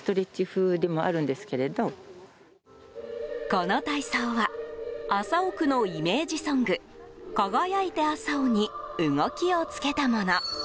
この体操は麻生区のイメージソング「かがやいて麻生」に動きを付けたもの。